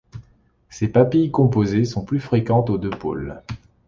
Ces papilles composées sont plus fréquentes aux deux pôles.